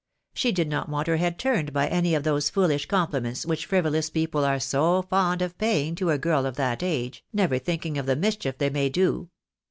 She did not want her head turned by any of those foolish compliments which frivolous people are so fond of paying to a girl of that age, never thinking of the mischief they may do.